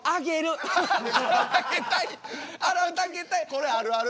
これあるある。